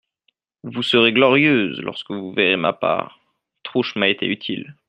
Vous serez glorieuse, lorsque vous verrez ma part … Trouche m'a été utile.